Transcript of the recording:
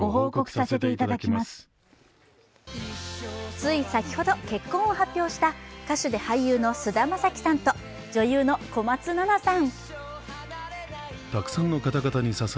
つい先ほど結婚を発表した歌手で俳優の菅田将暉さんと女優の小松菜奈さん。